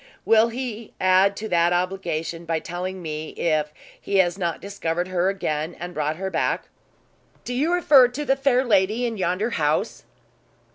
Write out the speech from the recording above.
"Will he add to that obligation by telling me if he has not discovered her again, and brought her back?" "Do you refer to the fair lady in yonder house?"